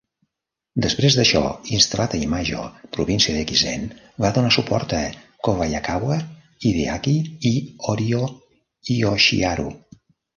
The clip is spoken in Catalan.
Després d'això, instal·lat a Imajo, província d'Ekizen, va donar suport a Kobayakawa Hideaki i Horio Yoshiharu.